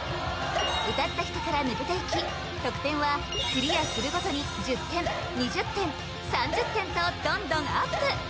歌った人から抜けていき得点はクリアするごとに１０点２０点３０点とどんどんアップ